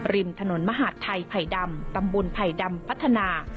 ริมถนนมหาดไทยไผ่ดำตำบลไผ่ดำพัฒนา